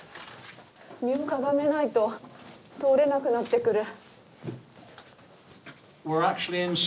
身をかがめないと通れなくなってくる。